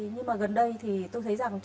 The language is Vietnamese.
nhưng mà gần đây thì tôi thấy rằng